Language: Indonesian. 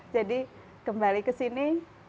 jadi kembali ke sini